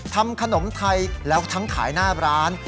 ทำขนมไทยแล้วทั้งขายหน้าร้าน